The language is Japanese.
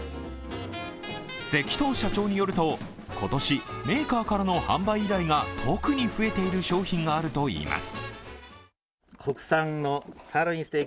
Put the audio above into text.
関藤社長によると、今年メーカーからの販売依頼が特に増えている商品があるといいます。